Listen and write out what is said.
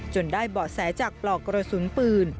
ได้เบาะแสจากปลอกกระสุนปืน